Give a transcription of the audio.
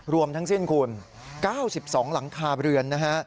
รวมทั้งสิ้นคุณ๙๒หลังคาเรือนนะฮะ